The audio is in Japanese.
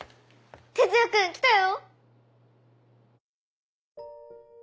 哲也君来たよ！